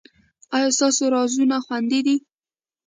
ایا ستاسو رازونه خوندي دي؟